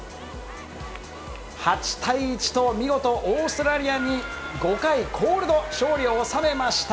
８対１と見事、オーストラリアに５回コールド勝利を収めました。